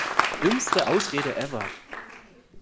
Dümmste Ausrede ever!